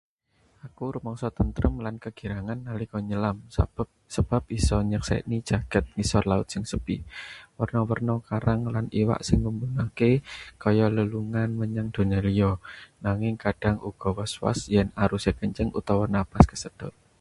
Aku rumangsa tentrem lan kegirangan nalika nyelam. Sebab iso nyekseni jagad ngisor laut sing sepi, werna-werna karang lan iwak sing nggumunake, kaya lelungan menyang donya liya. Nanging kadang uga was-was yen aruse kenceng utawa napas kesedot.